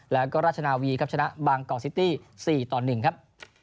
แล้วก็ราชนาวีครับชนะบางกอกซิตี้๔ต่อ๑ครับ